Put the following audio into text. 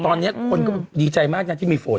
ตอนนี้คนก็ดีใจมากนะที่มีฝน